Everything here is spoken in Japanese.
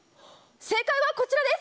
正解はこちらです。